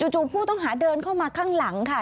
จู่ผู้ต้องหาเดินเข้ามาข้างหลังค่ะ